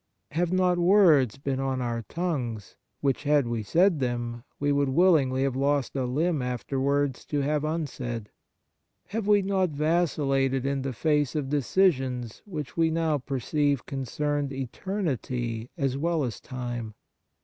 Have not words been on our tongues which, had we said them, we would willingly have lost a limb afterwards to have unsaid? Have we not vacillated in the face of decisions which we now perceive concerned eternity as well as time